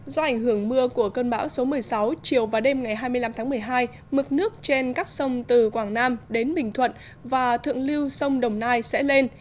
do ảnh hưởng mưa của cơn bão số một mươi sáu chiều và đêm ngày hai mươi năm tháng một mươi hai mực nước trên các sông từ quảng nam đến bình thuận và thượng lưu sông đồng nai sẽ lên